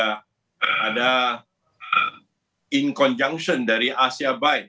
dan kami juga ada in conjunction dari asia byte